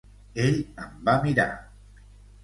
Ell em va mirar.